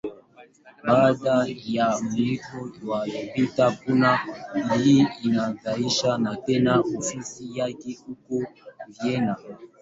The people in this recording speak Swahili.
Baada ya mwisho wa Vita Kuu ya Pili, alianzisha tena ofisi yake huko Vienna.